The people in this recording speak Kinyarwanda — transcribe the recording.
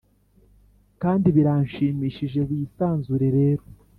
kandi biranshimishije wisanzure rero."